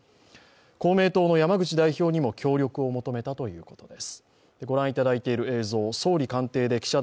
公明党の山口代表にも協力を求めたということです。